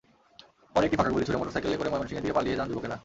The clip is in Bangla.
পরে একটি ফাঁকা গুলি ছুড়ে মোটরসাইকেলে করে ময়মনসিংহের দিকে পালিয়ে যান যুবকেরা।